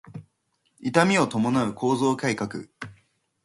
痛みを伴う構造改革